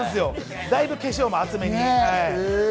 だいぶ化粧も厚めに。